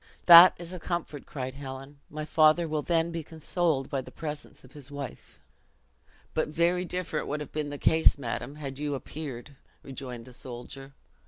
"That is a comfort," cried Helen; "my father will then be consoled by the presence of his wife." "But very different would have been the case, madam, had you appeared," rejoined the soldier.